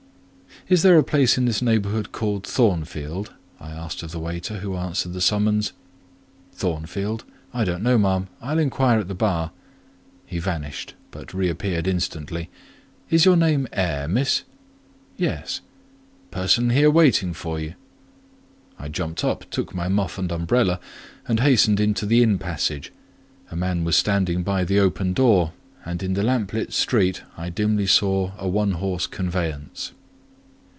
"Is there a place in this neighbourhood called Thornfield?" I asked of the waiter who answered the summons. "Thornfield? I don't know, ma'am; I'll inquire at the bar." He vanished, but reappeared instantly— "Is your name Eyre, Miss?" "Yes." "Person here waiting for you." I jumped up, took my muff and umbrella, and hastened into the inn passage: a man was standing by the open door, and in the lamp lit street I dimly saw a one horse conveyance.